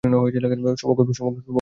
শুভকামনা, বন্ধুরা।